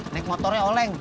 naik motornya oleng